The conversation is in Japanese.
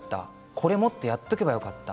これをもっとやっておけばよかった